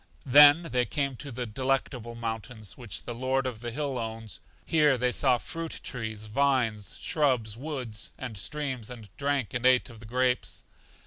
Then they came to The Delectable Mountains, which the Lord of the Hill owns. Here they saw fruit trees, vines, shrubs, woods, and streams, and drank and ate of the grapes.